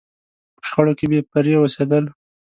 په شخړو کې بې پرې اوسېدل.